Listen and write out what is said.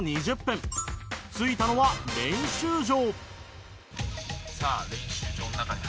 着いたのは練習場。